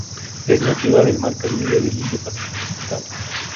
Es nativa del mar Caribe y del Indo-Pacífico central.